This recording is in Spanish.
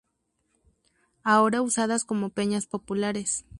Ahora usadas como peñas populares.